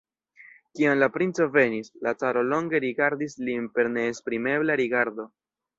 Kiam la princo venis, la caro longe rigardis lin per neesprimebla rigardo.